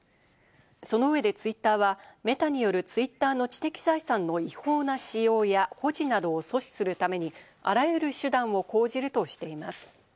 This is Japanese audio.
その上でツイッターはメタによるツイッターの知的財産の違法な使用や保持などを阻止するために、あらゆる手段を講じるとしています。